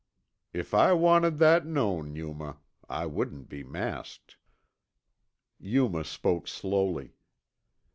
"If I wanted that known, Yuma, I wouldn't be masked." Yuma spoke slowly.